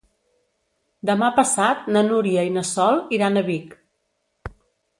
Demà passat na Núria i na Sol iran a Vic.